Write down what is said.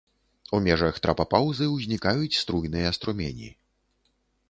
У межах трапапаўзы ўзнікаюць струйныя струмені.